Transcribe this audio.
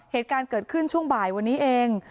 เหตุการณ์เกิดขึ้นช่วงบ่ายวันนี้เอง